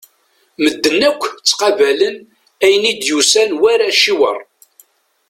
Medden akk ttaqabalen ayen i d-yusan war aciwer.